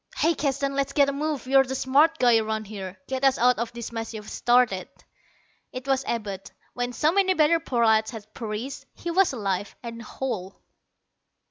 "Hey, Keston, let's get a move on. You're the smart guy around here: get us out of this mess you've started." It was Abud. When so many better prolats had perished, he was alive and whole.